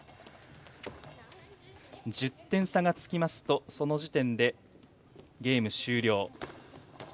１０点差がつきますとその時点で、ゲーム終了。